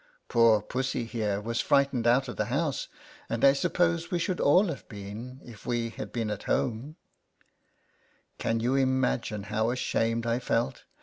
Poor pussy, here, was frightened out of the house, and I suppose we should all have been if we had been at home/' Can you imagine how ashamed I felt?